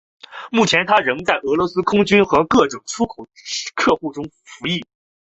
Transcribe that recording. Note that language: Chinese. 目前它仍在俄罗斯空军和各种出口客户当中服役。